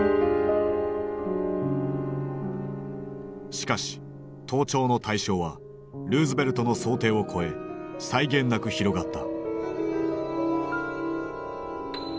しかし盗聴の対象はルーズベルトの想定を超え際限なく広がった。